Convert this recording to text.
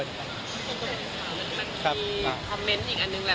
มันมีคอมเม้นต์อีกอันหนึ่งแหละ